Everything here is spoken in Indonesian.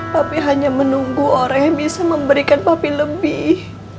tapi hanya menunggu orang yang bisa memberikan papi lebih